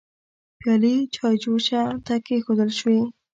پيالې چايجوشه ته کيښودل شوې.